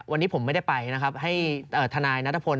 วันนี้ผมไม่ได้ไปให้ทนายนัฐพล